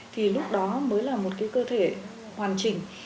thì lúc đó mới là một cơ thể hoàn chỉnh